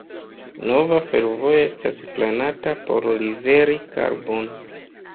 Nova fervojo estas planata por liveri karbon.